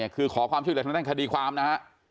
คือขอความช่วยเหลือทางด้านคดีความนะฮะ